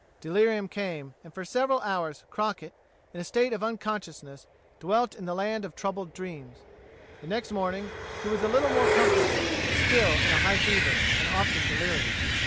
Delirium came, and for several hours, Crockett, in a state of unconsciousness, dwelt in the land of troubled dreams. The next morning he was a little more comfortable, but still in a high fever, and often delirious.